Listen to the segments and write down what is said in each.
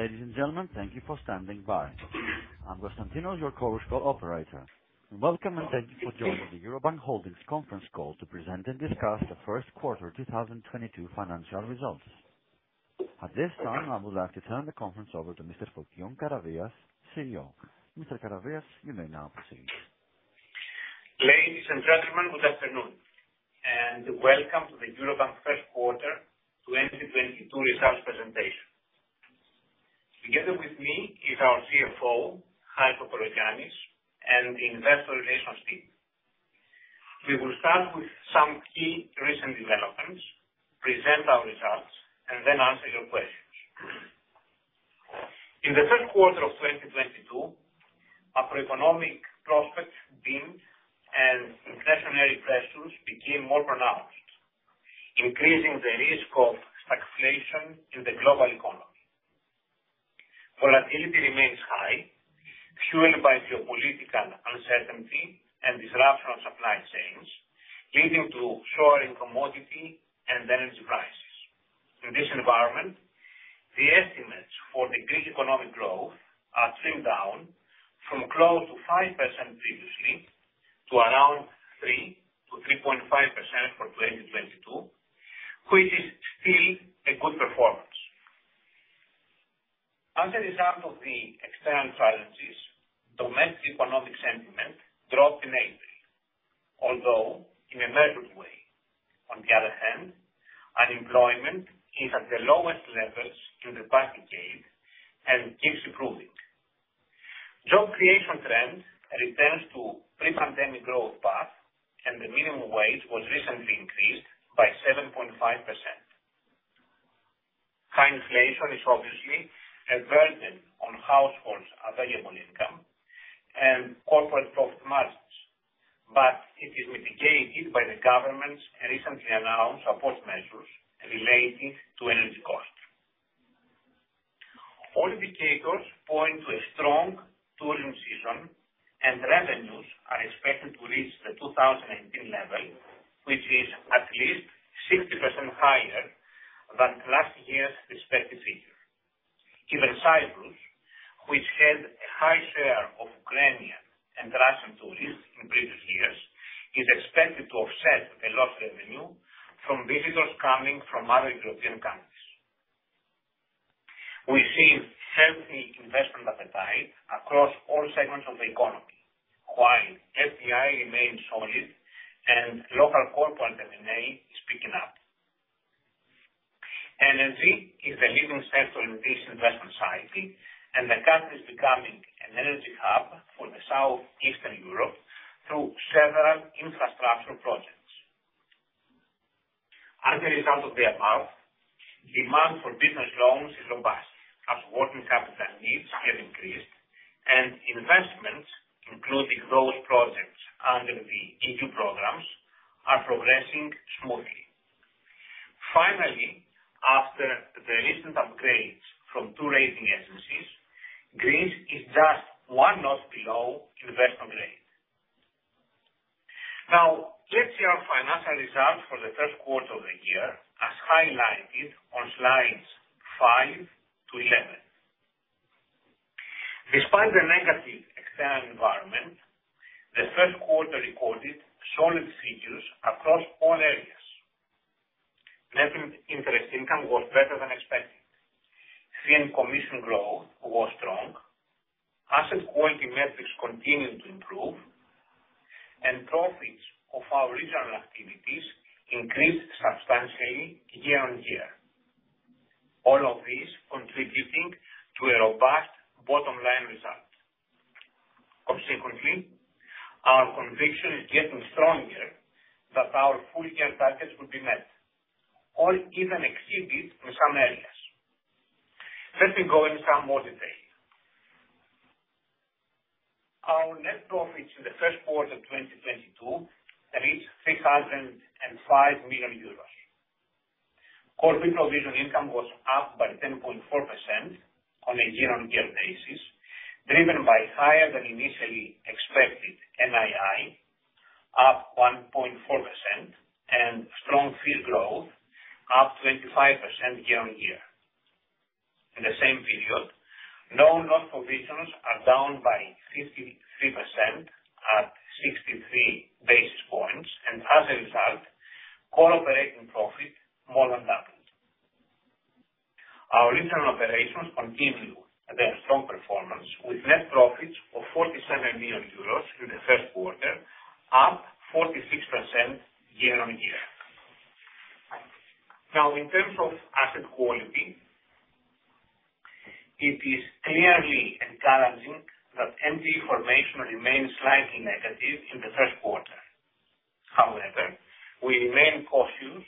Ladies and gentlemen, thank you for standing by. I'm Constantinos, your call operator. Welcome, and thank you for joining the Eurobank Ergasias Services and Holdings conference call to present and discuss the first quarter 2022 financial results. At this time, I would like to turn the conference over to Mr. Fokion Karavias, CEO. Mr. Karavias, you may now proceed. Ladies and gentlemen, good afternoon, and welcome to the Eurobank first quarter 2022 results presentation. Together with me is our CFO, Harris Kokologiannis, and investor relations team. We will start with some key recent developments, present our results, and then answer your questions. In the first quarter of 2022, our economic prospects dimmed, and inflationary pressures became more pronounced, increasing the risk of stagflation in the global economy. Volatility remains high, fueled by geopolitical uncertainty and disruption of supply chains, leading to soaring commodity and energy prices. In this environment, the estimates for the Greek economic growth are trimmed down from close to 5% previously to around 3%-3.5% for 2022, which is still a good performance. As a result of the external challenges, domestic economic sentiment dropped in April, although in a measured way. On the other hand, unemployment is at the lowest levels in the past decade and keeps improving. Job creation trend returns to pre-pandemic growth path, and the minimum wage was recently increased by 7.5%. High inflation is obviously a burden on households' available income and corporate profit margins, but it is mitigated by the government's recently announced support measures relating to energy costs. All indicators point to a strong tourism season, and revenues are expected to reach the 2018 level, which is at least 60% higher than last year's respective figure. Even Cyprus, which had a high share of Ukrainian and Russian tourists in previous years, is expected to offset a lost revenue from visitors coming from other European countries. We see healthy investment appetite across all segments of the economy, while FDI remains solid and local corporate M&A is picking up. Energy is the leading sector in this investment cycle, and the country is becoming an energy hub for the Southeastern Europe through several infrastructure projects. As a result of the above, demand for business loans is robust as working capital needs have increased, and investments, including those projects under the E.U. programs, are progressing smoothly. Finally, after the recent upgrades from two rating agencies, Greece is just one notch below investment grade. Now, let's hear our financial results for the first quarter of the year, as highlighted on slides five to 11. Despite the negative external environment, the first quarter recorded solid figures across all areas. Net interest income was better than expected. Fee and commission growth was strong. Asset quality metrics continued to improve, and profits of our regional activities increased substantially year-on-year. All of these contributing to a robust bottom-line result. Consequently, our conviction is getting stronger that our full year targets will be met or even exceeded in some areas. Let me go into some more detail. Our net profits in the first quarter of 2022 reached 6,005 million euros. Core pre-provision income was up by 10.4% on a year-on-year basis, driven by higher than initially expected NII, up 1.4%, and strong fee growth, up 25% year-over-year. In the same period, loan loss provisions are down by 53% at 63 basis points, and as a result, core operating profit more than doubled. Our regional operations continue their strong performance, with net profits of 47 million euros in the Q1, up 46% year-over-year. Now, in terms of asset quality, it is clearly encouraging that NPE formation remains slightly negative in the first quarter. However, we remain cautious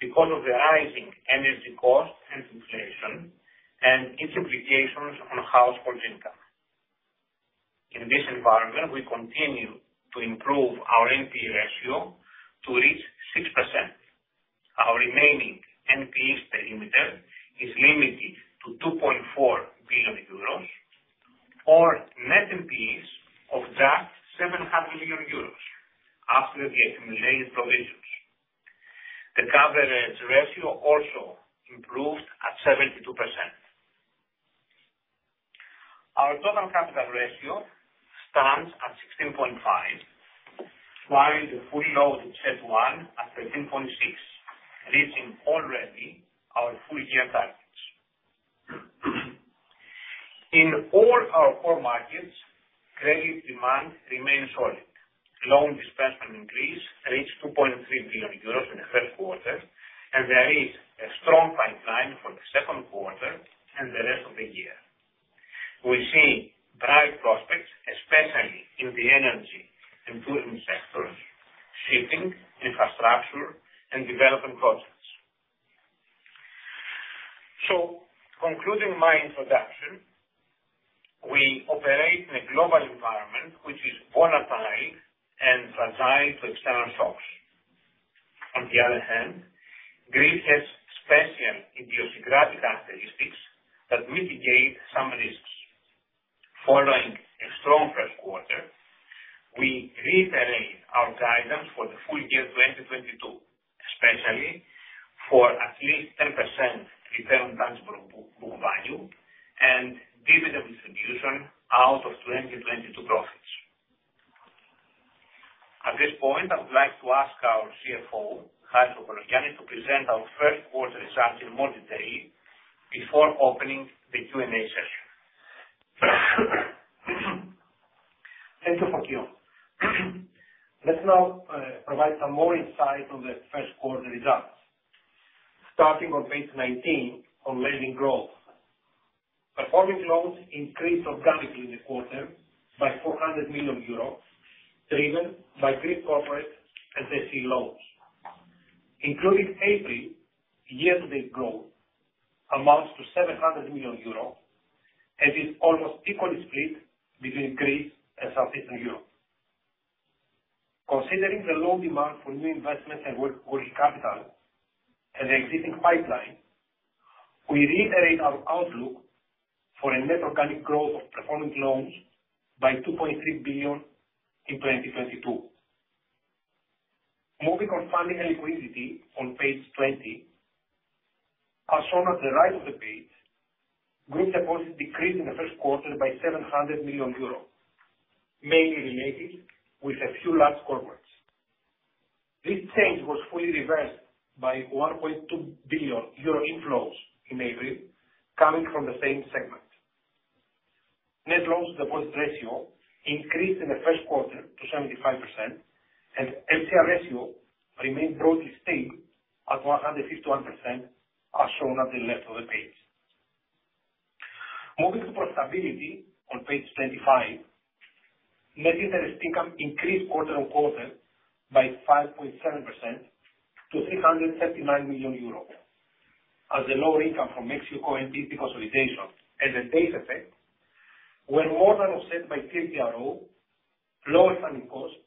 because of the rising energy cost and inflation and its implications on households' income. In this environment, we continue to improve our NPE ratio to reach 6%. Our remaining NPE perimeter is limited to EUR 2.4 billion, or net NPEs million EUR after the accumulated provisions. The coverage ratio also improved at 72%. Our total capital ratio stands at 16.5, while the fully loaded CET1 at 13.6, reaching already our full-year targets. In all our core markets, credit demand remains solid. Loan disbursement increase reached EUR 2.3 billion in the first quarter, and there is a strong pipeline for the second quarter and the rest of the year. We see bright prospects, especially in the energy and tourism sectors, shipping, infrastructure, and development projects. Concluding my introduction, we operate in a global environment which is volatile and fragile to external shocks. On the other hand, Greece has special idiosyncratic characteristics that mitigate some risks. Following a strong first quarter, we reiterate our guidance for the full year 2022, especially for at least 10% return tangible book value and dividend distribution out of 2022 profits. At this point, I would like to ask our CFO, Harris kokologiannis, to present our first quarter results in more detail before opening the Q&A session. Thank you, Panos. Let's now provide some more insight on the first quarter results. Starting on page 19 on lending growth. Performing loans increased organically in the quarter by 400 million euros, driven by Greek corporate and SME loans. Including April, year-to-date growth amounts to 700 million euros and is almost equally split between Greece and Southeastern Europe. Considering the low demand for new investments and working capital and the existing pipeline, we reiterate our outlook for a net organic growth of performing loans by 2.3 billion in 2022. Moving on funding and liquidity on page 20. As shown at the right of the page, Greek deposits decreased in the first quarter by 700 million euros, mainly related with a few large corporates. This change was fully reversed by 1.2 billion euro inflows in April coming from the same segment. Net loans-to-deposit ratio increased in the first quarter to 75%, and NPL ratio remained broadly stable at 151%, as shown at the left of the page. Moving to profitability on page 25. Net interest income increased quarter-on-quarter by 5.7% to 339 million euros, as the lower income from Mexico NPE consolidation and the base effect were more than offset by CPRO, lower funding costs,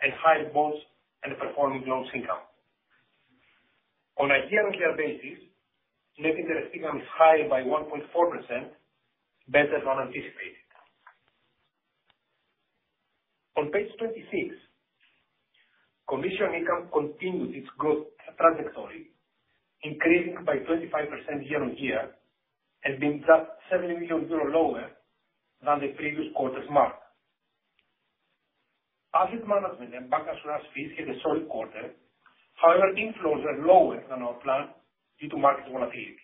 and higher bonds and performing loans income. On a year-on-year basis, net interest income is higher by 1.4%, better than anticipated. On page 26, commission income continued its growth trajectory, increasing by 25% year-on-year and being just 70 million euro lower than the previous quarter's mark. Asset management and bancassurance fees had a solid quarter. However, inflows were lower than our plan due to market volatility.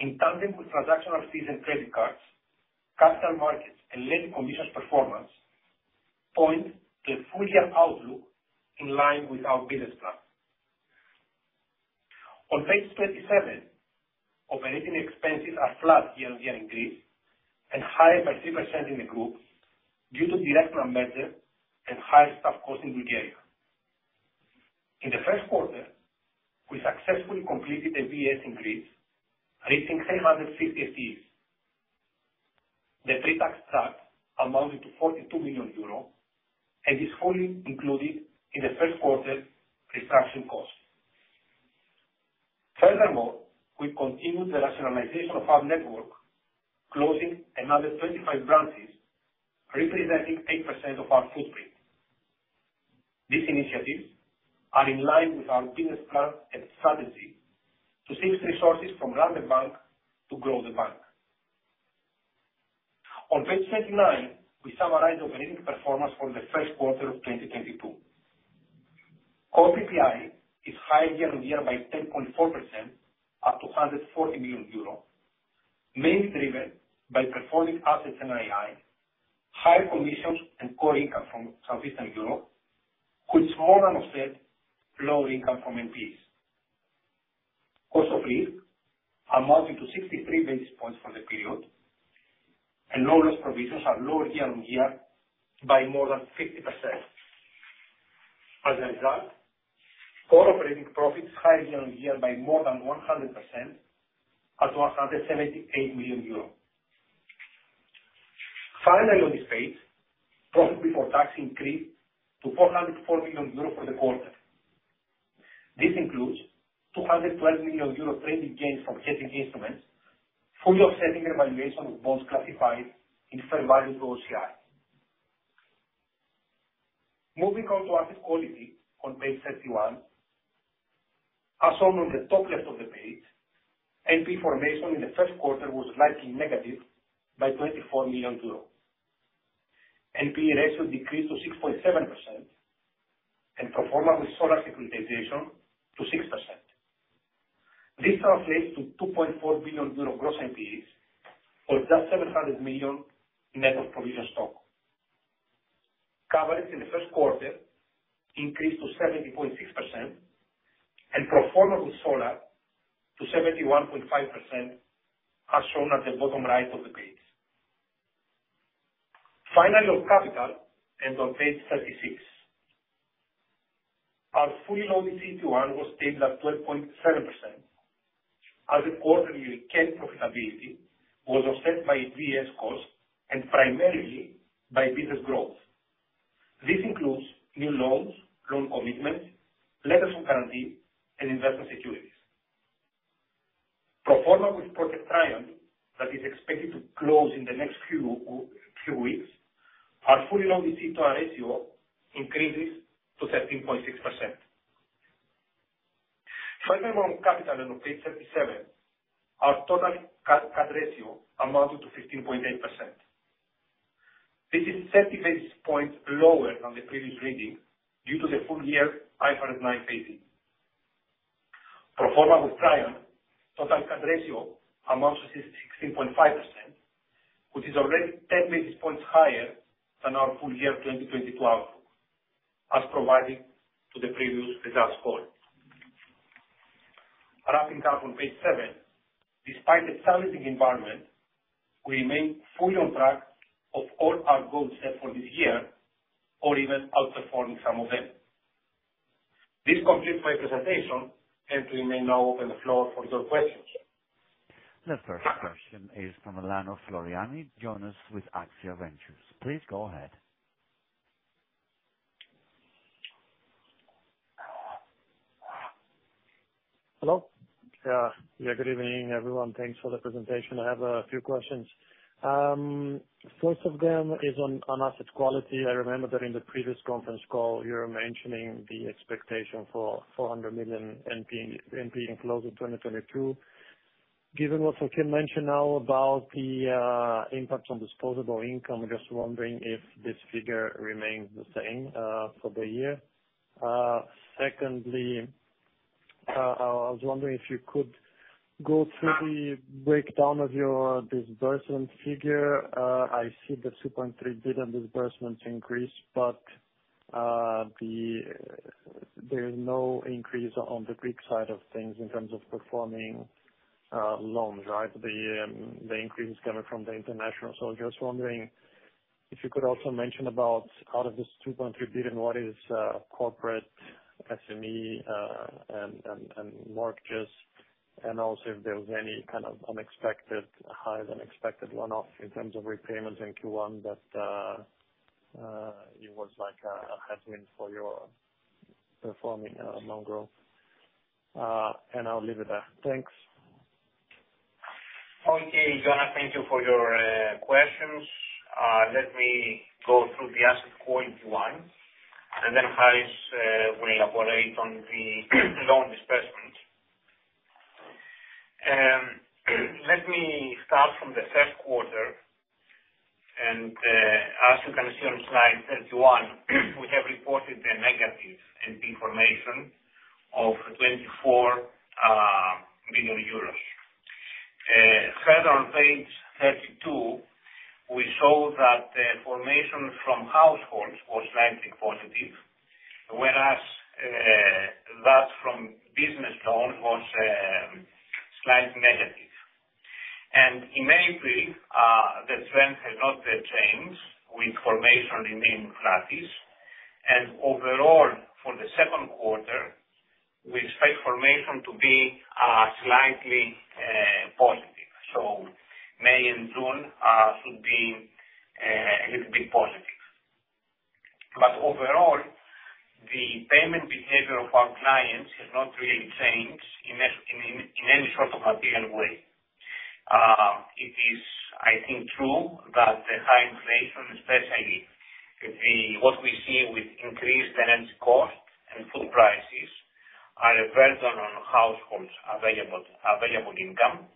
In tandem with transactional fees and credit cards, capital markets and lending commissions performance point to a full year outlook in line with our business plan. On page 27, operating expenses are flat year-on-year in Greece and higher by 3% in the group due to de-risk measures and higher staff costs in Bulgaria. In the first quarter, we successfully completed a VRS increase, reaching 750 FTEs. The pre-tax charge amounted to 42 million euros and is fully included in the first quarter restructuring costs. Furthermore, we continued the rationalization of our network, closing another 35 branches, representing 8% of our footprint. These initiatives are in line with our business plan and strategy to save resources from around the bank to grow the bank. On page 29, we summarize operating performance for the first quarter of 2022. Core PPI is higher year-over-year by 10.4% up to 140 million euro, mainly driven by performing assets in AII, higher commissions and core income from Southeastern Europe, which more than offset lower income from NPEs. Cost of risk amounting to 63 basis points for the period and loan loss provisions are lower year-over-year by more than 50%. As a result, core operating profit is higher year-over-year by more than 100% at EUR 178 million. Finally, on this page, profit before tax increased to 404 million euros for the quarter. This includes 212 million euros trading gains from hedging instruments, fully offsetting the valuation of bonds classified in fair value through OCI. Moving on to asset quality on page 31. As shown on the top left of the page, NPE formation in the first quarter was slightly negative by 24 million euros. NPL ratio decreased to 6.7% and pro forma with solar securitization to 6%. This translates to 2.4 billion euro gross NPEs or just 700 million net of provision stock. Coverage in the first quarter increased to 70.6% and pro forma with solar to 71.5%, as shown at the bottom right of the page. Finally, on capital and on page 36. Our fully loaded CET1 was stable at 12.7%, as the quarterly CAT profitability was offset by VRS costs and primarily by business growth. This includes new loans, loan commitments, letters of guarantee and investment securities. Pro forma with Project Triumph, that is expected to close in the next few weeks, our fully loaded CET1 ratio increases to 13.6%. Further on capital on page 37, our total CET ratio amounted to 15.8%. This is 30 basis points lower than the previous reading due to the full year IFRS 9 phasing. Pro forma with Triumph, total CET ratio amounts to 16.5%, which is already 10 basis points higher than our full year in 2022, as provided to the previous results call. Wrapping up on page seven. Despite the challenging environment, we remain fully on track of all our goals set for this year, or even outperforming some of them. This completes my presentation, and we may now open the floor for your questions. The first question is from Floriani Jonas with AXIA Ventures Group. Please go ahead. Hello. Yeah, good evening, everyone. Thanks for the presentation. I have a few questions. First of them is on asset quality. I remember that in the previous conference call, you were mentioning the expectation for 400 million NPE inflows in 2022. Given what Fokion mentioned now about the impact on disposable income, I'm just wondering if this figure remains the same for the year. Secondly, I was wondering if you could go through the breakdown of your disbursement figure. I see the 2.3 billion disbursements increase, but there is no increase on the Greek side of things in terms of performing loans, right? The increase is coming from the international. I'm just wondering if you could also mention about out of this 2.3 billion, what is corporate SME and mortgages, and also if there was any kind of unexpected, higher than expected one-off in terms of repayments in Q1 that it was like a headwind for your performing loan growth. And I'll leave it there. Thanks. Okay, Jonas, thank you for your questions. Let me go through the asset quality one, and then Harris will elaborate on the loan disbursements. Let me start from the first quarter, and as you can see on slide 31, we have reported a negative NPE formation of 24 billion euros. Further on page 32, we saw that the formation from households was slightly positive, whereas that from business loans was slightly negative. In May and June, the trend has not changed, with formation remaining flattish. Overall, for the second quarter, we expect formation to be slightly positive. May and June should be a little bit positive. Overall, the payment behavior of our clients has not really changed in any sort of material way. It is, I think, true that the high inflation, especially with what we see with increased energy costs and food prices, are a burden on households available income.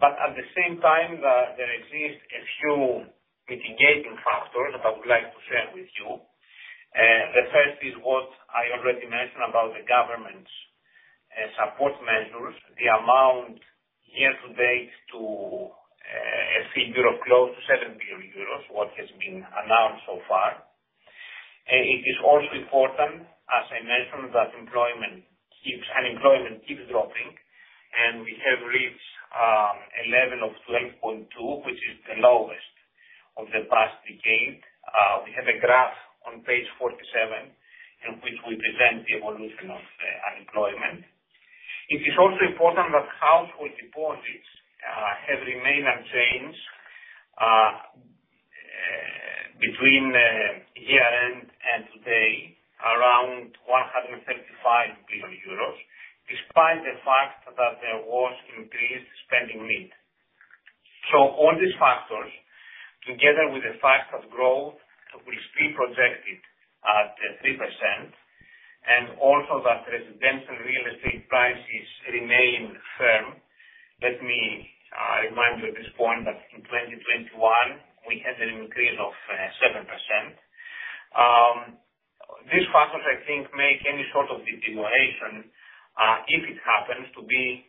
At the same time, there exists a few mitigating factors that I would like to share with you. The first is what I already mentioned about the government's support measures. The amount year to date, I think euro, close to 7 billion euros, what has been announced so far. It is also important, as I mentioned, that unemployment keeps dropping, and we have reached a level of 12.2, which is the lowest of the past decade. We have a graph on page 47 in which we present the evolution of unemployment. It is also important that household deposits have remained unchanged between year end and today, around 135 billion euros, despite the fact that there was increased spending need. All these factors, together with the fact that growth will still projected at 3%, and also that residential real estate prices remain firm. Let me remind you at this point that in 2021 we had an increase of 7%. These factors, I think, make any sort of deterioration, if it happens to be,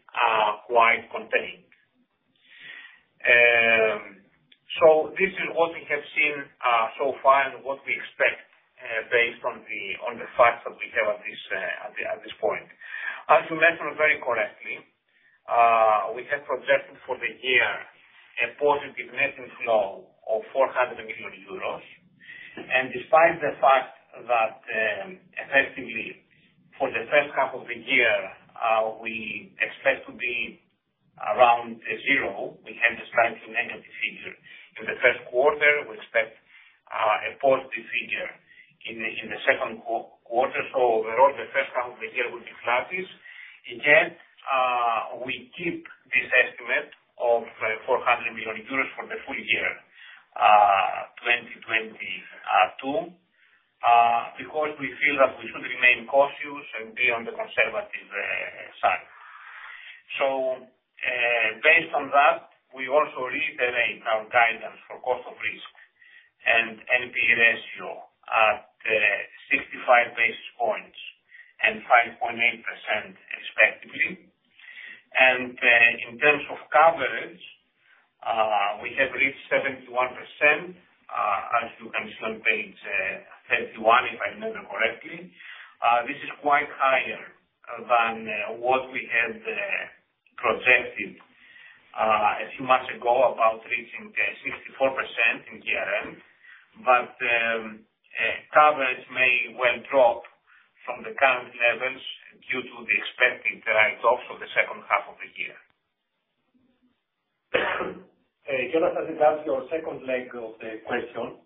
quite contained. This is what we have seen so far and what we expect based on the facts that we have at this point. As you mentioned very correctly, we have projected for the year a positive net inflow of 400 million euros. Despite the fact that, effectively for the first half of the year, we expect to be around zero, we had a slight negative figure. In the first quarter, we expect a positive figure in the second quarter. Overall the first half of the year will be flattish. Again, we keep this estimate of 400 million euros for the full year, 2022, because we feel that we should remain cautious and be on the conservative side. Based on that, we also reiterate our guidance for cost of risk and NPE ratio at 65 basis points and 5.8% respectively. In terms of coverage, we have reached 71%, as you can see on page 31, if I remember correctly. This is quite higher than what we had projected a few months ago about reaching 64% in year end. Coverage may well drop from the current levels due to the expected write-offs for the second half of the year. Jonas, as regards to your second leg of the question,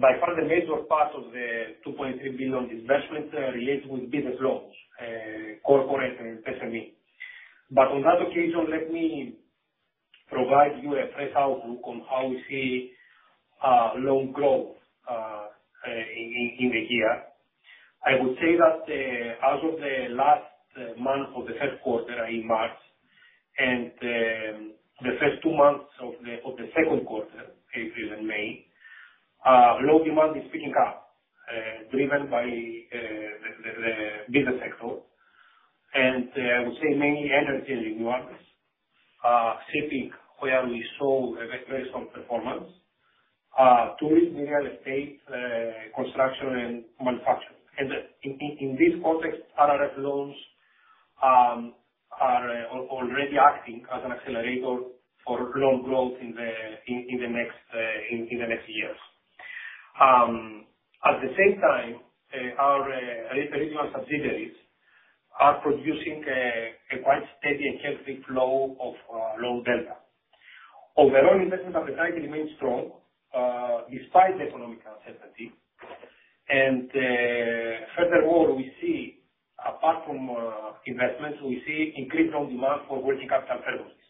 by far the major part of the 2.3 billion investments are related with business loans, corporate and SME. On that occasion, let me provide you a fresh outlook on how we see loan growth in the year. I would say that as of the last month of the third quarter, in March, and the first two months of the second quarter, April and May, loan demand is picking up, driven by the business sector. I would say many energy renewals, shipping, where we saw a very strong performance, tourism, real estate, construction and manufacturing. In this context, RRF loans are already acting as an accelerator for loan growth in the next years. At the same time, our regional subsidiaries are producing a quite steady and healthy flow of loan Delta. Overall investment appetite remains strong, despite the economic uncertainty. Furthermore, we see apart from investments, we see increased loan demand for working capital purposes.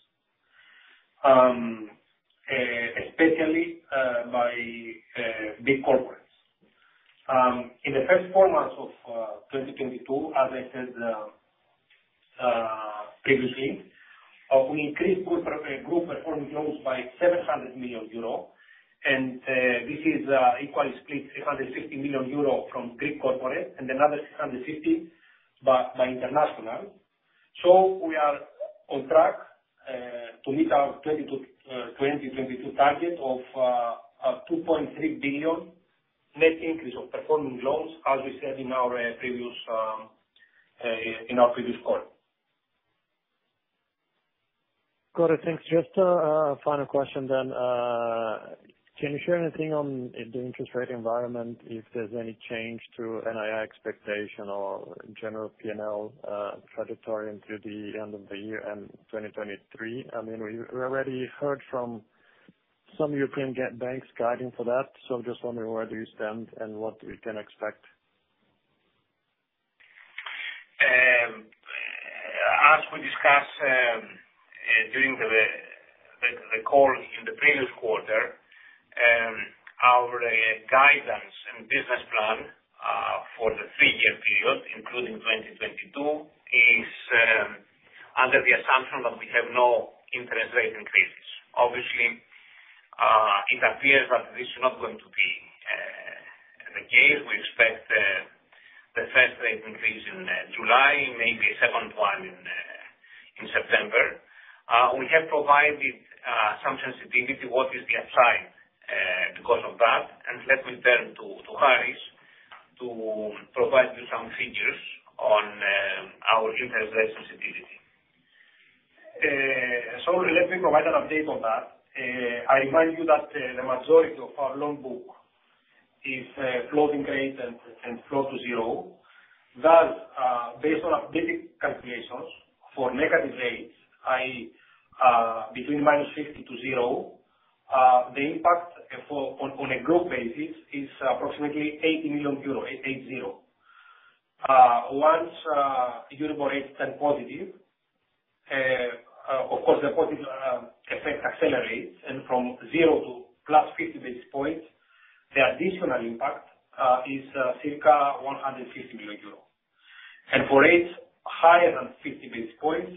Especially by big corporates. In the first four months of 2022, as I said previously, we increased group performing loans by 700 million euro. This is equally split, 350 million euro from Greek corporate and another 650 million by international. We are on track to meet our 2022 target of 2.3 billion net increase of performing loans, as we said in our previous call. Got it, thanks. Just a final question. Can you share anything on the interest rate environment, if there's any change to NII expectation or general P&L trajectory through the end of the year and 2023? I mean, we already heard from some European banks guiding for that, so I'm just wondering where you stand and what we can expect? As we discussed, during the call in the previous quarter, our guidance and business plan for the three-year period, including 2022, is under the assumption that we have no interest rate increases. Obviously, it appears that this is not going to be the case. We expect the first rate increase in July, maybe a second one in September. We have provided some sensitivity what is the upside because of that. Let me turn to Harris to provide you some figures on our interest rate sensitivity. Let me provide an update on that. I remind you that the majority of our loan book is floating rates and flow to zero. Thus, based on our basic calculations for negative rates, i.e., between -50 to 0, the impact on a group basis is approximately EUR 80 million. Once Euribor rates turn positive, of course, the positive effect accelerates, and from 0 to +50 basis points, the additional impact is circa 150 million euros. For rates higher than 50 basis points,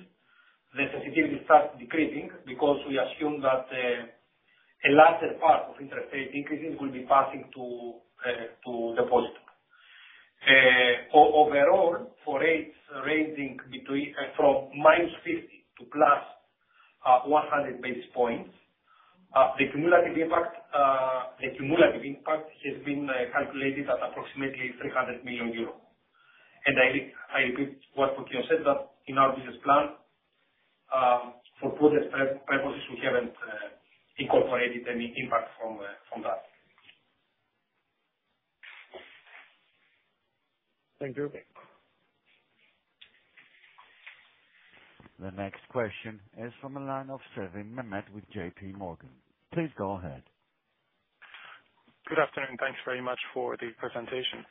the sensitivity starts decreasing because we assume that a larger part of interest rate increases will be passing to the deposit. Overall, for rates ranging from -50 to +100 basis points, the cumulative impact has been calculated at approximately 300 million euros. I repeat what Fokion said that in our business plan, for purposes, we haven't incorporated any impact from that. Thank you. The next question is from the line of Sevin Mehmet with JPMorgan. Please go ahead. Good afternoon. Thanks very much for the presentation.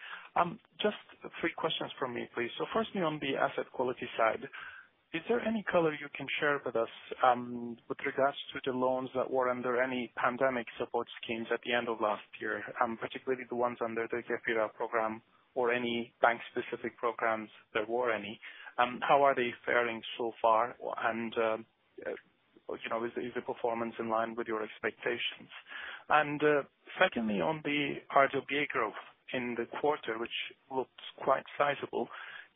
Just three questions from me, please. Firstly, on the asset quality side, is there any color you can share with us, with regards to the loans that were under any pandemic support schemes at the end of last year, particularly the ones under the GEFYRA program or any bank-specific programs, there were any? How are they faring so far? You know, is the performance in line with your expectations? Secondly, on the RWA growth in the quarter, which looks quite sizable,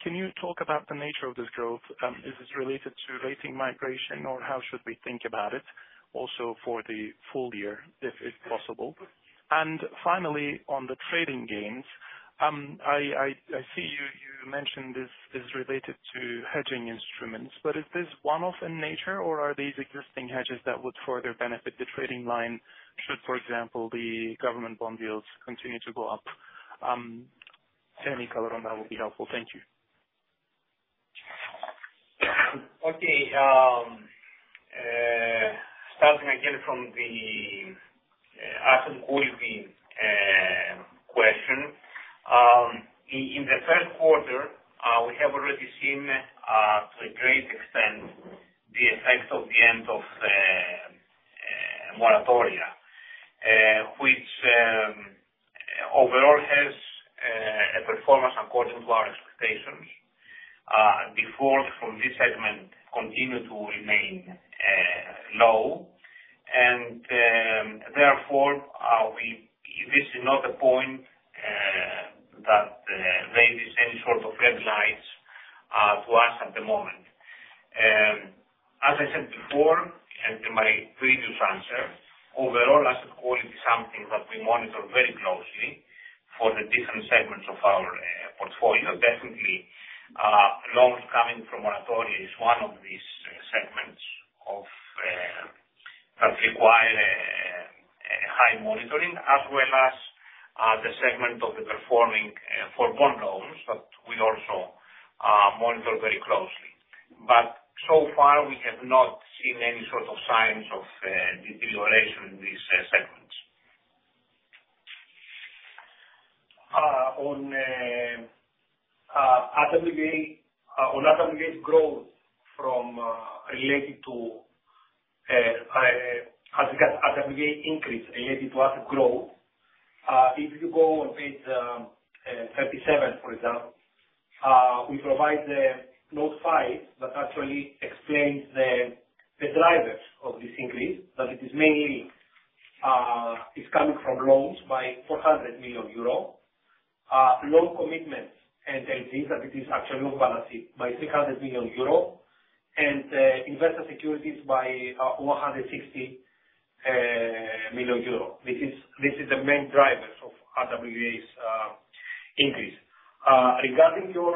can you talk about the nature of this growth? Is this related to rating migration, or how should we think about it also for the full year, if possible? Finally, on the trading gains, I see you mentioned this is related to hedging instruments, but is this one-off in nature, or are these existing hedges that would further benefit the trading line should, for example, the government bond yields continue to go up? Any color on that will be helpful. Thank you. Okay. Starting again from the asset quality question. In the first quarter, we have already seen, to a great extent, the effects of the end of moratoria, which overall has a performance according to our expectations. Defaults from this segment continue to remain low. Therefore, this is not the point that raises any sort of red flags to us at the moment. As I said before, as in my previous answer, overall asset quality is something that we monitor very closely for the different segments of our portfolio. Definitely, loans coming from moratoria is one of these segments of that require high monitoring, as well as the segment of the performing forborne loans that we also monitor very closely. So far, we have not seen any sort of signs of deterioration in these segments. On RWA growth related to as we get RWA increase related to asset growth, if you go on page 37, for example, we provide the Note 5 that actually explains the drivers of this increase, that it is mainly, it's coming from loans by 400 million euro. Loan commitments and leases, that it is actually off-balance sheet, by 300 million euro. And investor securities by 160 million euro. This is the main drivers of RWAs increase. Regarding your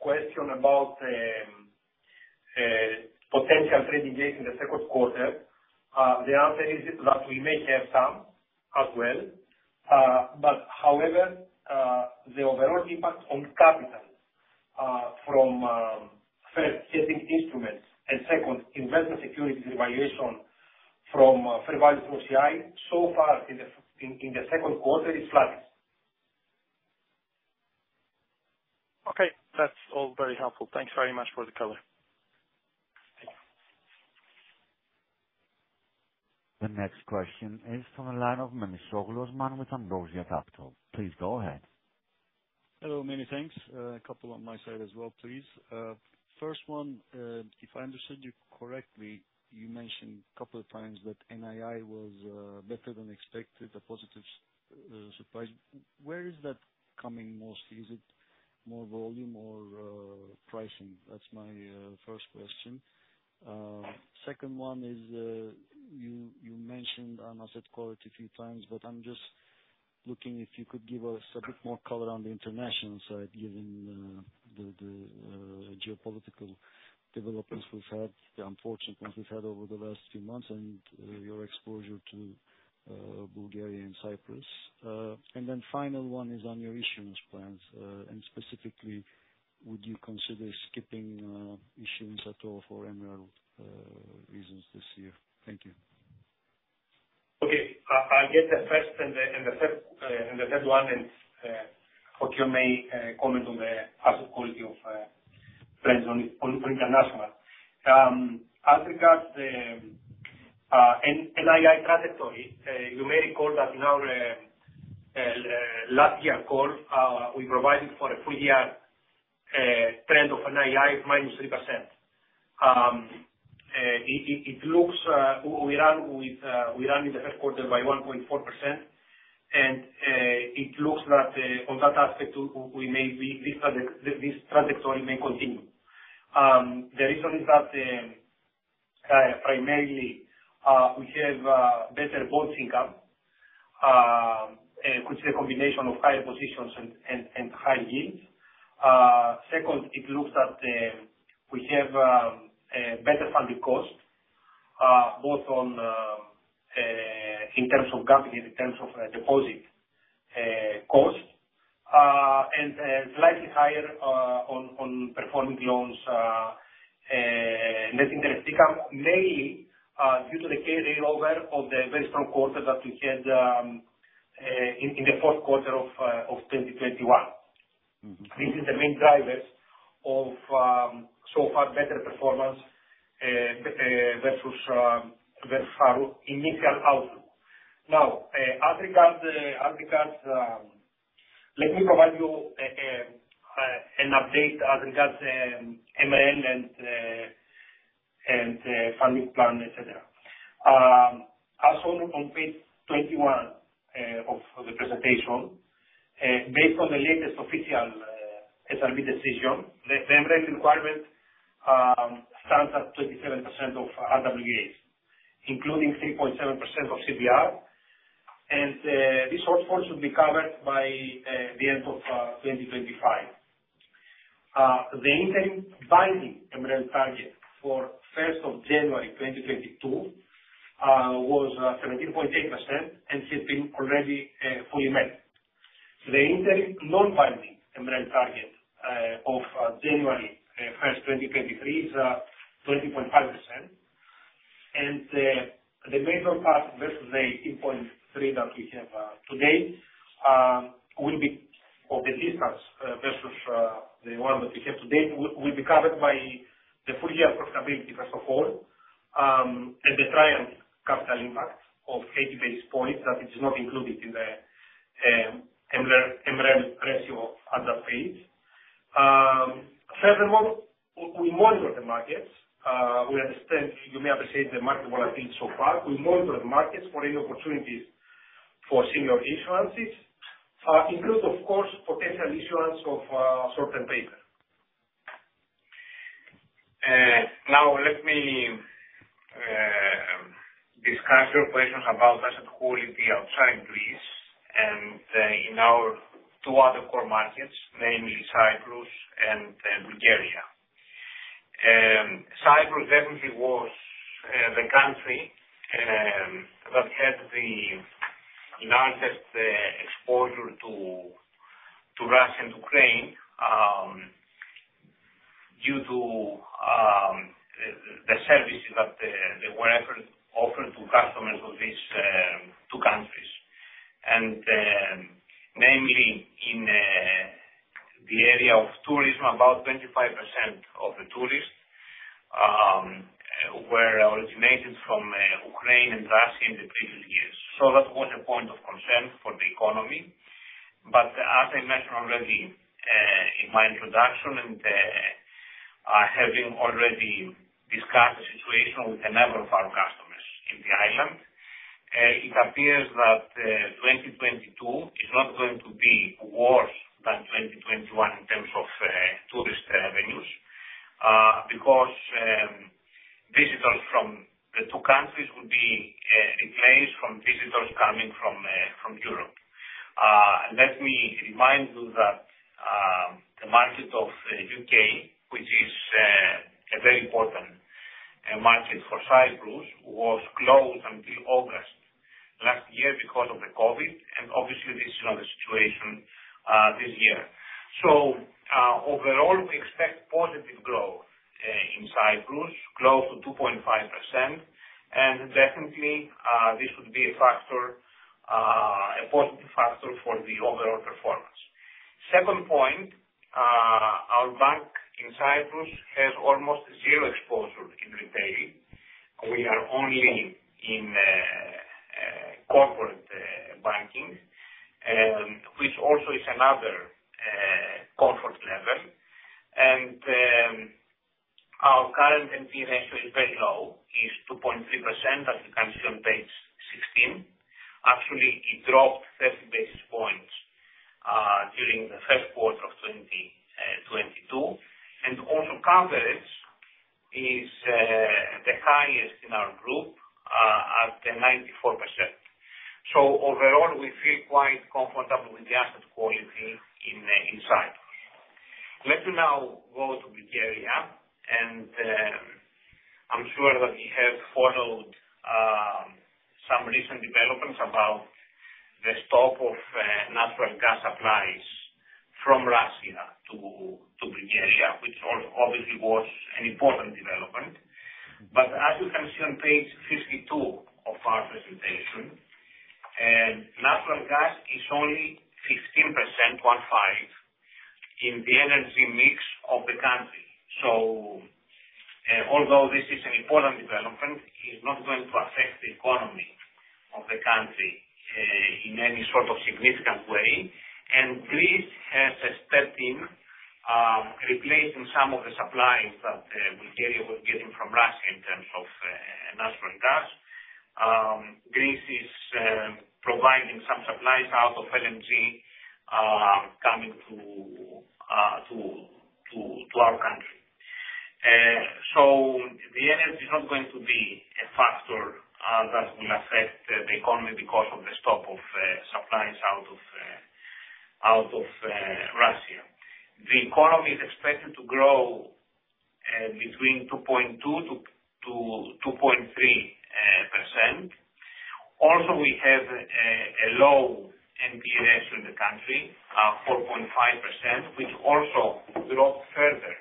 question about potential trading gains in the second quarter, the answer is that we may have some as well. The overall impact on capital from first, hedging instruments and second, investment securities revaluation from fair value through OCI, so far in the second quarter is flat. Okay. That's all very helpful. Thanks very much for the color. Thank you. The next question is from the line of Osman Memisoglu with Ambrosia Capital. Please go ahead. Hello, many thanks. A couple on my side as well, please. First one, if I understood you correctly, you mentioned a couple of times that NII was better than expected, a positive surprise. Where is that coming mostly? Is it more volume or pricing? That's my first question. Second one is, you mentioned on asset quality a few times, but I'm just looking if you could give us a bit more color on the international side, given the geopolitical. Developers we've had, the unfortunate ones we've had over the last few months, and your exposure to Bulgaria and Cyprus. Then final one is on your issuance plans. Specifically would you consider skipping issuance at all for any other reasons this year? Thank you. Okay. I'll get the first and the third one, and you may comment on the asset quality of branches in international. As regards the NII trajectory, you may recall that in our last year call, we provided for a full year trend of NII -3%. It looks we ran in the first quarter by 1.4%. It looks that on that aspect, we may be. This trajectory may continue. The reason is that primarily we have better bonds income, which is a combination of higher positions and high yields. Second, it looks that we have a better funding cost both on in terms of government in terms of deposit costs and slightly higher on performing loans net interest income may due to the carryover of the very strong quarter that we had in the fourth quarter of 2021. Mm-hmm. This is the main drivers of so far better performance versus our initial outlook. Now, as regards, let me provide you an update as regards MREL and funding plan, et cetera. As shown on page 21 of the presentation, based on the latest official SRB decision, the MREL requirement stands at 37% of RWAs, including 3.7% of CBR. This shortfall should be covered by the end of 2025. The interim binding MREL target for first of January 2022 was 17.8%, and has been already fully met. The interim non-binding MREL target of January 1st, 2023 is 20.5%. The major part versus the 2.3 that we have today will be for the difference versus the one that we have today will be covered by the full year profitability, first of all, and the Triumph capital impact of 80 basis points that is not included in the MREL ratio at that page. Furthermore, we monitor the markets. We understand, you may have seen the market volatility so far. We monitor the markets for any opportunities for senior issuances, including of course, potential issuance of certain paper. Now let me discuss your questions about asset quality outside Greece, and in our two other core markets, namely Cyprus and Bulgaria. Cyprus definitely was the country that had the largest exposure to Russia and Ukraine due to the services that they were offered to customers of these two countries. Namely in the area of tourism, about 25% of the tourists were originated from Ukraine and Russia in the previous years. That was a point of concern for the economy. As I mentioned already in my introduction, having already discussed the situation with a number of our customers in the island, it appears that 2022 is not going to be worse in any sort of significant way. Greece has stepped in, replacing some of the supplies that Bulgaria was getting from Russia in terms of natural gas. Greece is providing some supplies out of LNG coming to our country. The energy is not going to be a factor that will affect the economy because of the stop of supplies out of Russia. The economy is expected to grow between 2.2%-2.3%. We have a low NPEs in the country, 4.5%, which also dropped further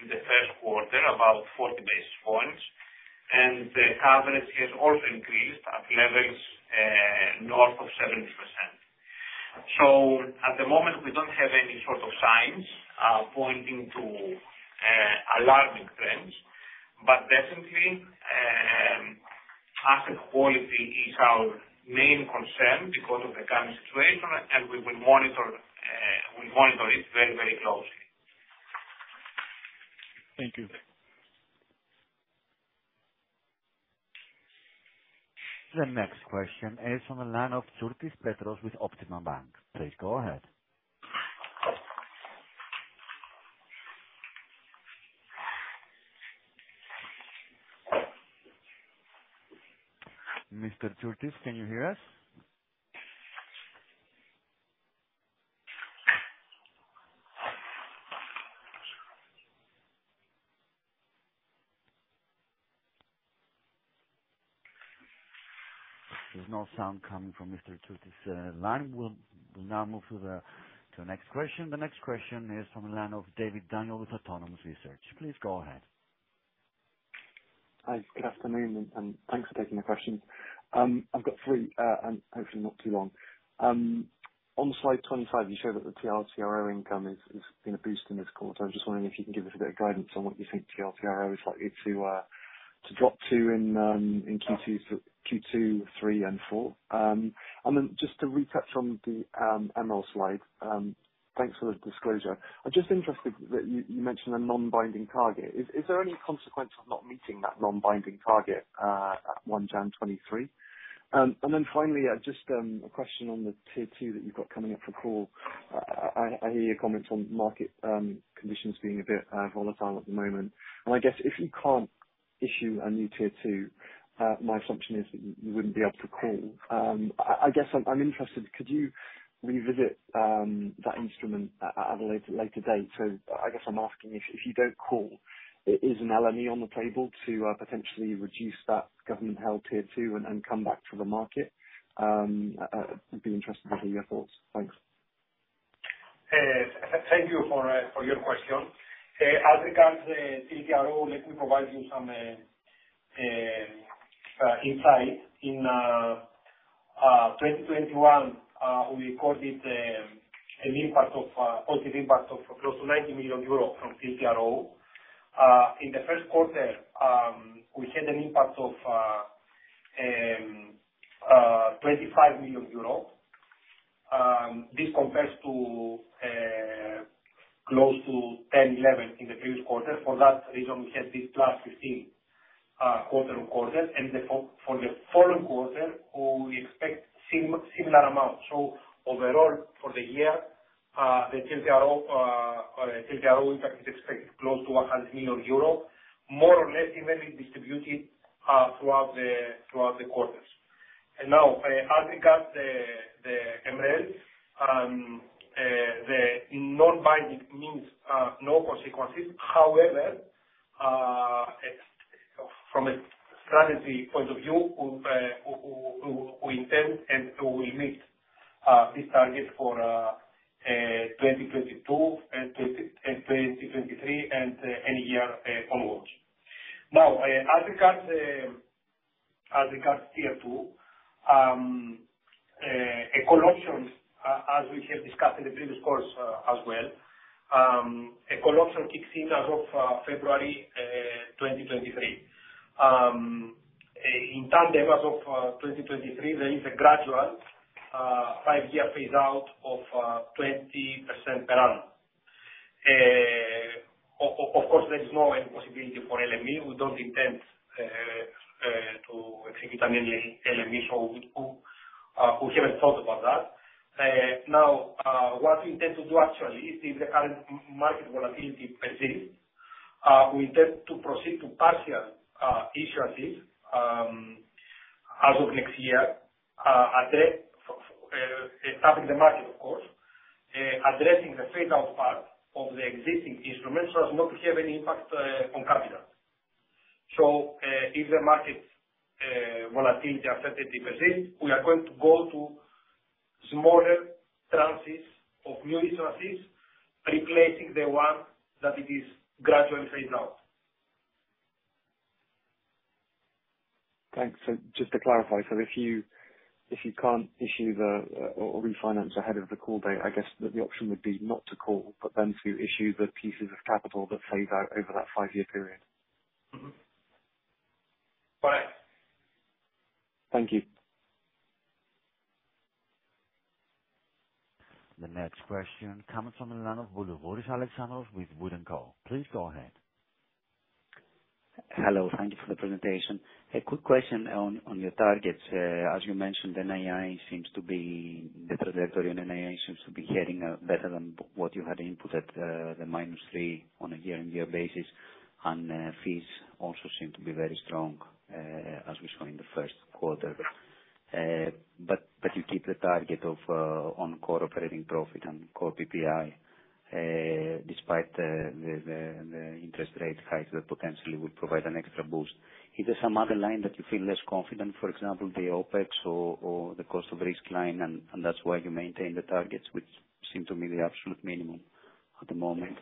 in the first quarter, about 40 basis points. The coverage has also increased at levels north of 70%. At the moment, we don't have any sort of signs pointing to alarming trends. Definitely, asset quality is our main concern because of the current situation, and we monitor it very, very closely. Thank you. The next question is from the line of Petros Tsourtris with Optima Bank. Please go ahead. Mr. Tsourtris, can you hear us? There's no sound coming from Mr. Tsourtris's line. We'll now move to the next question. The next question is from the line of Daniel David with Autonomous Research. Please go ahead. Hi. Good afternoon, and thanks for taking the question. I've got three, and hopefully not too long. On slide 25, you show that the TLTRO income is gonna boost in this quarter. I'm just wondering if you can give us a bit of guidance on what you think TLTRO is likely to drop to in Q2, so Q2, Q3, and Q4. Just to retouch on the MREL slide, thanks for the disclosure. I'm just interested that you mentioned a non-binding target. Is there any consequence of not meeting that non-binding target at January 1, 2023? Finally, just a question on the Tier 2 that you've got coming up for call. I hear your comments on market conditions being a bit volatile at the moment. I guess if you can't issue a new Tier 2, my assumption is that you wouldn't be able to call. I guess I'm interested. Could you revisit that instrument at a later date? I guess I'm asking if you don't call, is an LME on the table to potentially reduce that government-held Tier 2 and come back to the market? I would be interested to hear your thoughts. Thanks. Thank you for your question. As regards the TLTRO, let me provide you some insight. In 2021, we recorded a positive impact of close to 90 million euros from TLTRO. In the first quarter, we had an impact of EUR 25 million. This compares to close to 10-11 in the previous quarter. For that reason, we had this +15 quarter on quarter. For the following quarter, we expect similar amount. Overall, for the year, the TLTRO impact is expected close to 100 million euro, more or less evenly distributed throughout the quarters. Now, as regards the MREL, the non-binding means no consequences. However, from a strategy point of view, we intend and we will meet this target for 2022 and 2023 and any year onwards. As regards Tier 2, a dilution, as we have discussed in the previous calls, as well, a dilution kicks in as of February 2023. In tandem, as of 2023, there is a gradual five-year phase out of 20% per annum. Of course, there is no any possibility for LME. We don't intend to execute an LME, so we haven't thought about that. Now, what we intend to do actually, if the current market volatility persists, we intend to proceed to partial issuances as of next year, tapping the market, of course, addressing the fade out part of the existing instruments so as not to have any impact on capital. If the market volatility uncertainty persists, we are going to go to smaller tranches of new resources, replacing the one that it is gradually phased out. Thanks. Just to clarify, if you can't issue or refinance ahead of the call date, I guess the option would be not to call, but then to issue the pieces of capital that phase out over that five-year period. Mm-hmm. Correct. Thank you. The next question comes from the line of Alex Boulouris with Wood & Co. Please go ahead. Hello. Thank you for the presentation. A quick question on your targets. As you mentioned, NII seems to be the trajectory on NII seems to be heading better than what you had input at the -3% on a year-on-year basis. Fees also seem to be very strong as we saw in the first quarter. You keep the target of on core operating profit and core PPI despite the interest rate hikes that potentially would provide an extra boost. Is there some other line that you feel less confident, for example, the OpEx or the cost of risk line, and that's why you maintain the targets, which seem to me the absolute minimum at the moment?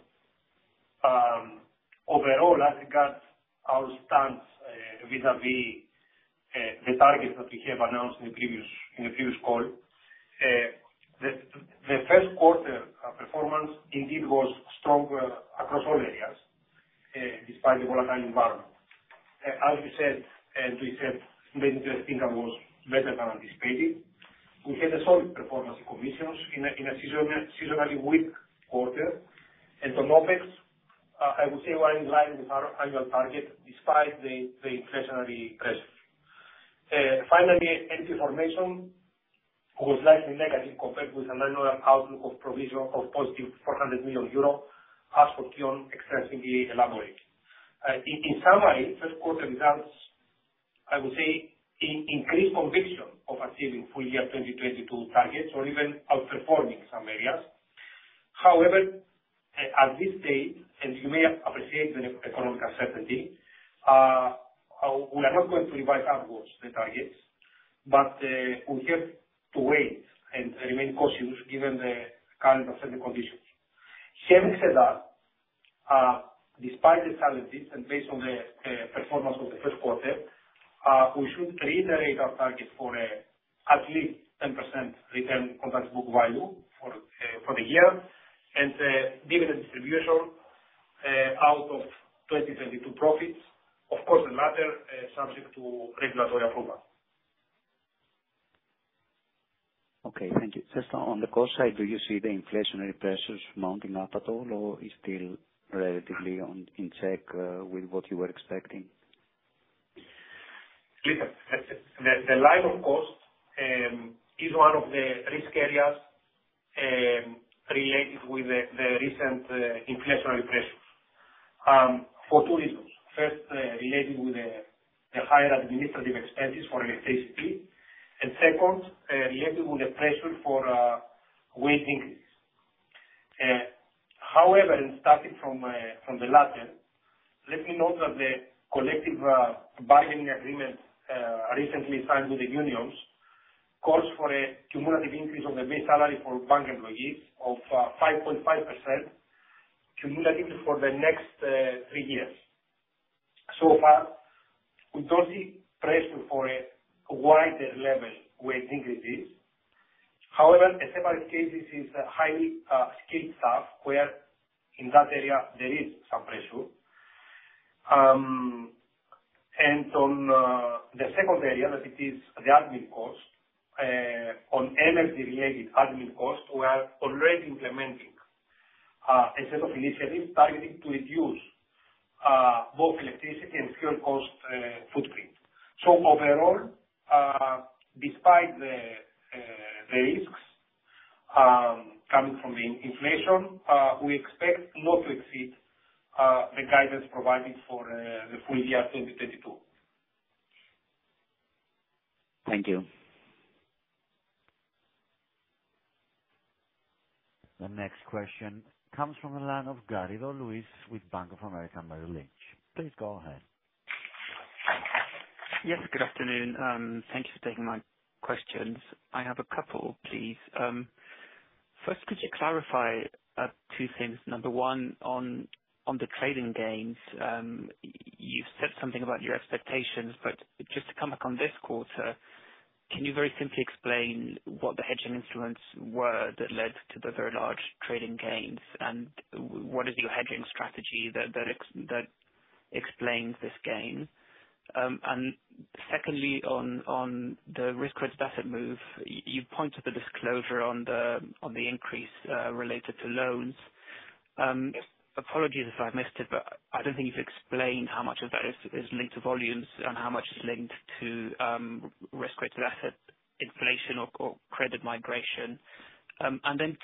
Overall, as regards our stance vis-à-vis the targets that we have announced in the previous call, the first quarter performance indeed was stronger across all areas despite the volatile environment. As we said, net interest income was better than anticipated. We had a solid performance in commissions in a seasonally weak quarter. On OpEx, I would say we're in line with our annual target despite the inflationary pressures. Finally, NPE formation was slightly negative compared with an annual outlook of provision of positive 400 million euro, as for Fokion extensively elaborated. In summary, first quarter results, I would say in increased conviction of achieving full year 2022 targets or even outperforming some areas. However, as we say, and you may appreciate the economic uncertainty, we are not going to revise upwards the targets, but we have to wait and remain cautious given the current uncertain conditions. Having said that, despite the challenges and based on the performance of the first quarter, we should reiterate our target for at least 10% return on tangible book value for the year and dividend distribution out of 2022 profits. Of course, the latter subject to regulatory approval. Okay, thank you. Just on the cost side, do you see the inflationary pressures mounting up at all, or is it still relatively in check with what you were expecting? Listen, the line of cost is one of the risk areas related with the recent inflationary pressures for two reasons. First, related with the higher administrative expenses for electricity, and second, related with the pressure for wage increase. However, starting from the latter, let me note that the collective bargaining agreement recently signed with the unions calls for a cumulative increase on the base salary for bank employees of 5.5% cumulative for the next three years. So far, we don't see pressure for a wider level wage increases. However, in several cases is highly skilled staff, where in that area there is some pressure. On the second area, that it is the admin cost on energy-related admin costs, we are already implementing a set of initiatives targeted to reduce both electricity and fuel cost footprint. Overall, despite the risks coming from inflation, we expect not to exceed the guidance provided for the full year 2022. Thank you. The next question comes from the line of Luis Garrido with Bank of America Merrill Lynch. Please go ahead. Yes, good afternoon. Thank you for taking my questions. I have a couple, please. First, could you clarify two things? Number one, on the trading gains, you've said something about your expectations, but just to come back on this quarter, can you very simply explain what the hedging instruments were that led to the very large trading gains? What is your hedging strategy that explains this gain? Secondly, on the risk-weighted asset move, you've pointed to the disclosure on the increase related to loans. Apologies if I missed it, but I don't think you've explained how much of that is linked to volumes and how much is linked to risk-weighted assets, inflation or credit migration.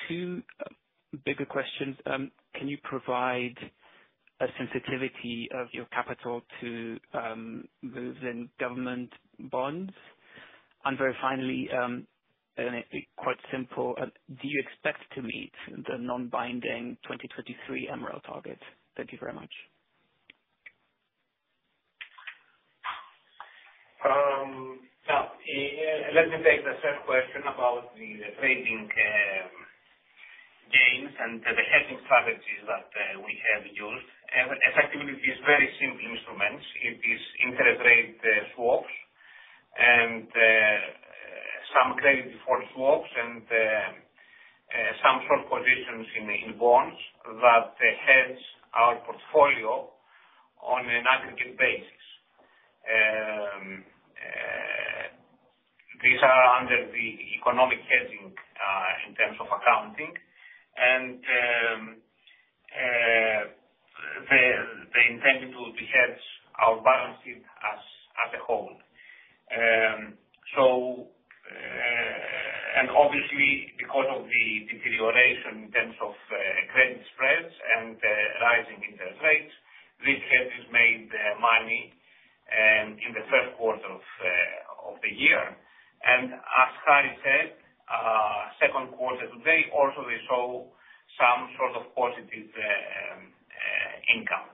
Two bigger questions. Can you provide a sensitivity of your capital to the 10-year government bonds? Finally, it would be quite simple, do you expect to meet the non-binding 2023 MREL target? Thank you very much. Let me take the first question about the trading gains and the hedging strategies that we have used. Effectively it's very simple instruments. It is integrated swaps and some credit default swaps and some short positions in bonds that enhance our portfolio on an aggregate basis. These are under the economic hedging in terms of accounting and they intend to hedge our balance sheet as a whole. Obviously because of the deterioration in terms of credit spreads and rising interest rates, this hedge has made money in the first quarter of the year. As Harry said, second quarter to date also they show some sort of positive income.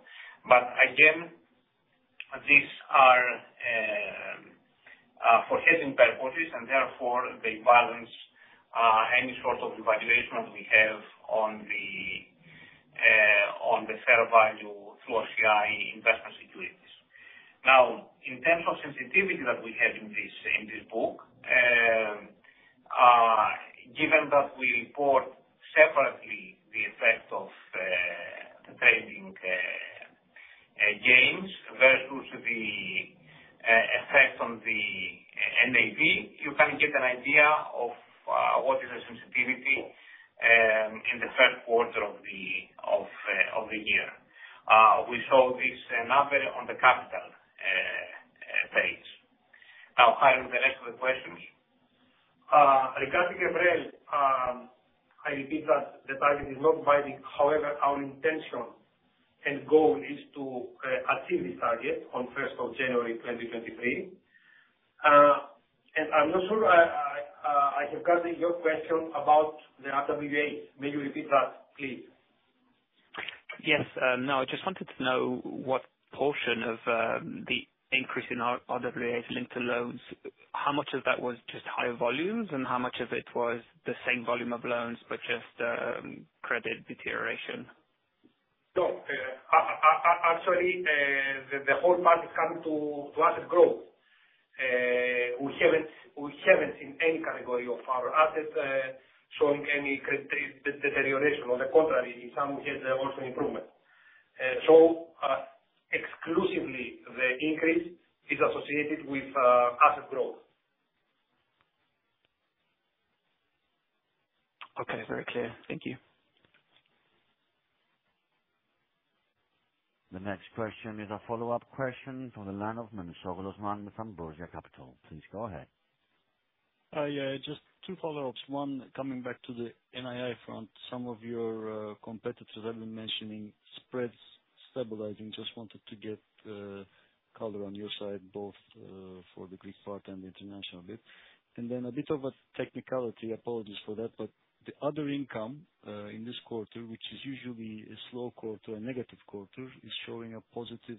Again, these are for hedging purposes, and therefore they balance any sort of evaluation we have on the fair value through OCI investment securities. Now, in terms of sensitivity that we have in this book, given that we report separately the effect of the trading gains versus the effect on the NAV, you can get an idea of what is the sensitivity in the first quarter of the year. We saw this number on the capital page. Now, Harry, the rest of the questions. Regarding MREL, I repeat that the target is not binding. However, our intention and goal is to achieve this target on January 1st, 2023. I'm not sure I have gotten your question about the RWAs. May you repeat that, please? Yes. No, I just wanted to know what portion of the increase in RWA is linked to loans. How much of that was just higher volumes, and how much of it was the same volume of loans but just credit deterioration? Actually, the whole part is coming to asset growth. We haven't seen any category of our asset showing any deterioration. On the contrary, in some we had also improvement. Exclusively the increase is associated with asset growth. Okay. Very clear. Thank you. The next question is a follow-up question from the line of Osman Memisoglu from Ambrosia Capital. Please go ahead. Hi, just two follow-ups. One, coming back to the NII front, some of your competitors have been mentioning spreads stabilizing. Just wanted to get color on your side, both for the Greek part and the international bit. A bit of a technicality, apologies for that, but the other income in this quarter, which is usually a slow quarter, a negative quarter, is showing a positive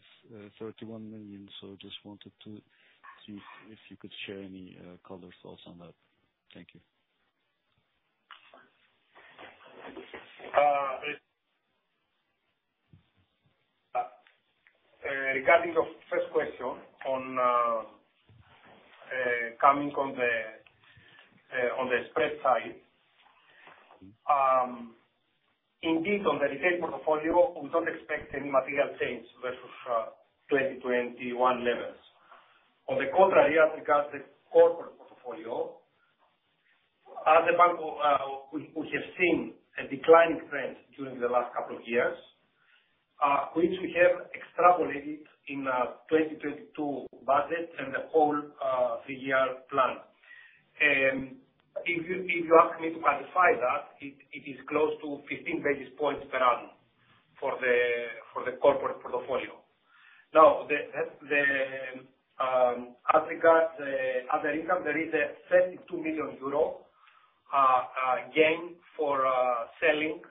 31 million. Just wanted to see if you could share any color, thoughts on that. Thank you. Regarding the first question on the spread side, indeed, on the retail portfolio, we don't expect any material change versus 2021 levels. On the contrary, as regards the corporate portfolio, as a bank, we have seen a declining trend during the last couple of years, which we have extrapolated in the 2022 budget and the whole three-year plan. If you ask me to quantify that, it is close to 15 basis points per annum for the corporate portfolio. Now, as regards the other income, there is a 32 million euro gain for selling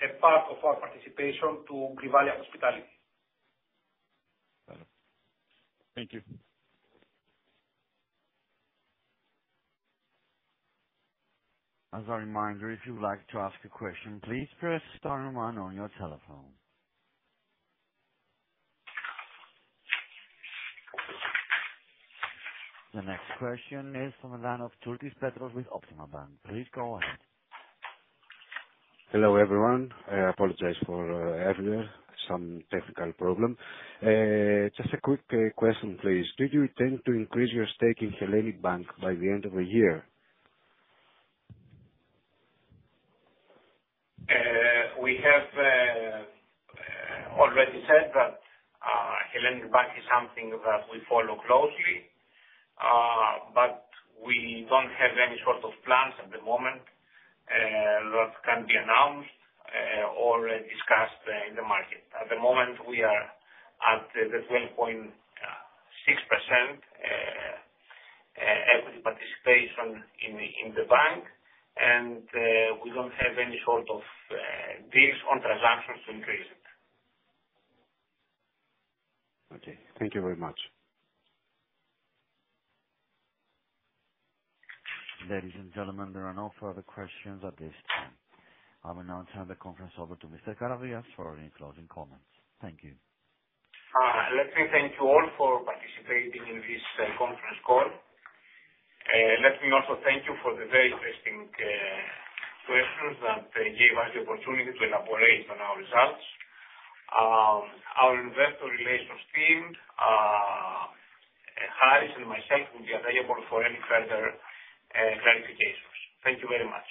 a part of our participation to Grivalia Hospitality. Thank you. As a reminder, if you would like to ask a question, please press star one on your telephone. The next question is from the line of Petros Tsourtris with Optima Bank. Please go ahead. Hello, everyone. I apologize for earlier, some technical problem. Just a quick question, please. Do you intend to increase your stake in Hellenic Bank by the end of the year? We have already said that Hellenic Bank is something that we follow closely, but we don't have any sort of plans at the moment that can be announced or discussed in the market. At the moment, we are at the 12.6% equity participation in the bank. We don't have any sort of deals or transactions to increase it. Okay. Thank you very much. Ladies and gentlemen, there are no further questions at this time. I will now turn the conference over to Mr. Karavias for any closing comments. Thank you. Let me thank you all for participating in this conference call. Let me also thank you for the very interesting questions that gave us the opportunity to elaborate on our results. Our investor relations team, Harry and myself will be available for any further clarifications. Thank you very much.